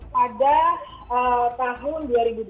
pada tahun dua ribu dua puluh